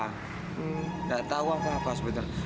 tidak tahu apa apa sebenarnya